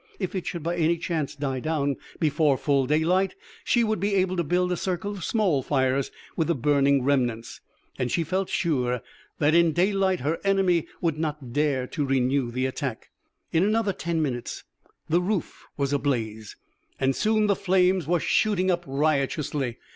If it should by any chance die down before full daylight, she would be able to build a circle of small fires with the burning remnants. And she felt sure that in daylight her enemy would not dare to renew the attack. In another ten minutes the roof was ablaze, and soon the flames were shooting up riotously.